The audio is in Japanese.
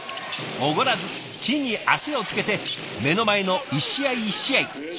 「おごらず地に足をつけて目の前の一試合一試合真摯に取り組む。